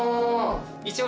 一応。